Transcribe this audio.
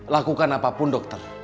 lakukan apapun dokter